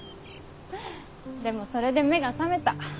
でもそれで目が覚めた。